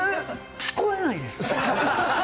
聞こえないですか？